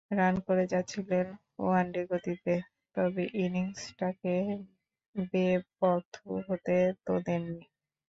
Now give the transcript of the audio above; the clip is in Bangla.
রান করে যাচ্ছিলেন ওয়ানডে গতিতে, তবে ইনিংসটাকে বেপথু হতে তো দেননি।